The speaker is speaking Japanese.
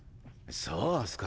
そうすか。